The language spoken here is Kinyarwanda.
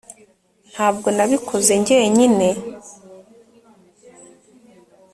ntabwo nabikoze njyenyine